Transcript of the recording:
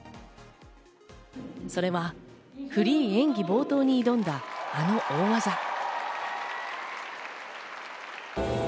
それはフリー演技、冒頭に挑んだ、あの大技。